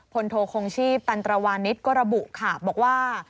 พลโทคงชีพปันตรวานิทกระบุบอกว่า